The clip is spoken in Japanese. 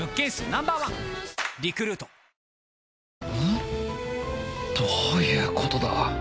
どういうことだ！？